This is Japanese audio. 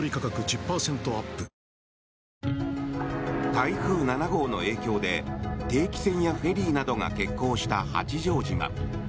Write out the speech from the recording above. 台風７号の影響で定期船やフェリーなどが欠航した八丈島。